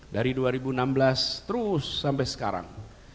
dari dua ribu enam belas terus sampai sekarang